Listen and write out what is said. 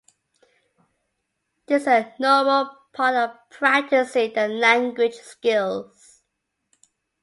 This is a normal part of practising their language skills.